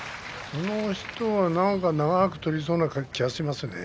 この人は何か長く取りそうな気がしますね。